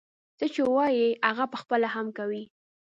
څه چې وايي هغه پخپله هم کوي.